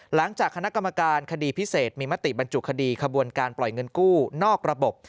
หลังจากคณะกรรมการคดีพิเศษมีมติบรรจุคดีขบวนการปล่อยเงินกู้นอกระบบ